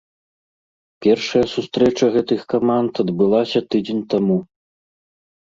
Першая сустрэча гэтых каманд адбылася тыдзень таму.